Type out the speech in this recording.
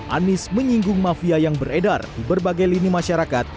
anies menyinggung mafia yang beredar di berbagai lini masyarakat